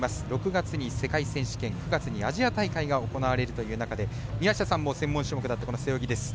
６月に世界選手権９月にアジア大会が行われるという中で宮下さんも専門種目だった背泳ぎです。